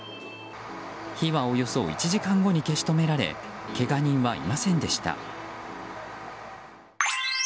火はおよそ１時間後に消し止められけが人はいませんでした。